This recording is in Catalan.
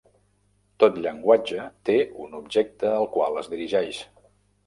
Tot llenguatge té un objecte al qual es dirigeix.